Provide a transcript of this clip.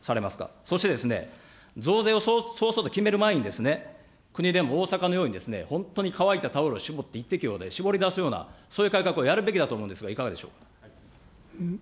そして増税を早々と決める前に、国でも、大阪のように、本当に乾いたタオルをしぼって一滴をしぼり出すような、そういう改革をやるべきだと思うんですが、いかがでしょう。